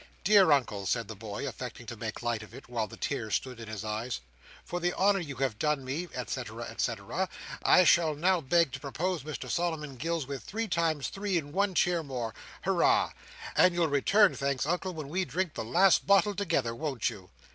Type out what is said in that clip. "Dear Uncle," said the boy, affecting to make light of it, while the tears stood in his eyes, "for the honour you have done me, et cetera, et cetera. I shall now beg to propose Mr Solomon Gills with three times three and one cheer more. Hurrah! and you'll return thanks, Uncle, when we drink the last bottle together; won't you?"